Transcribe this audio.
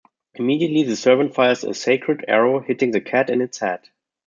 Immediately the servant fires a sacred arrow, hitting the cat in its head.